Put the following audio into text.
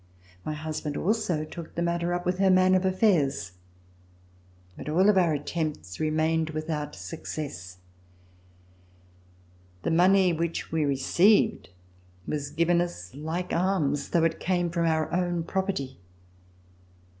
My husband also took the matter up with her man of affairs, but all of our attempts remained without success. The money which we received was given us like EXILE IN ENGLAND alms, although it came from our own property.